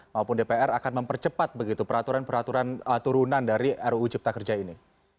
maupun dpr akan mempercepat begitu peraturan peraturan turunan dari ruu cipta kerja ini